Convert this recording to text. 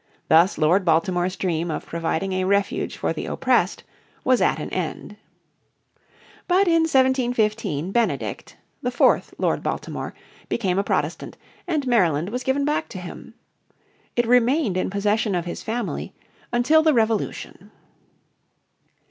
Thus Lord Baltimore's dream of providing a refuge for the oppressed was at an end. But in 1715 Benedict, the fourth Lord Baltimore, became a Protestant, and Maryland was given back to him. It remained in possession of his family until the Revolution.